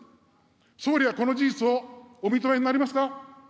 総理はこの事実をお認めになりますか。